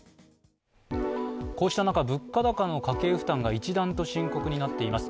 こうした中、物価高の家計負担が一段と深刻になっています。